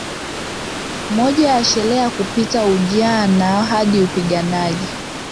Moja ya sherehe ya kupita ujana hadi upiganaji